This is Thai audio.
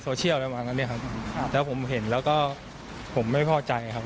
โซเชียลอะไรมากันเนี้ยครับแล้วผมเห็นแล้วก็ผมไม่พอใจครับ